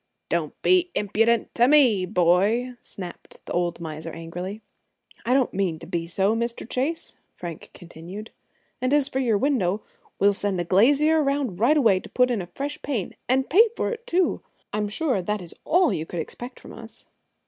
"Don't be impudent to me, boy!" snapped the old miser angrily. "I don't mean to be so, Mr. Chase," Frank continued; "and as for your window, we will send a glazier around right away to put in a fresh pane, and pay for it, too. I'm sure that is all you could expect from us."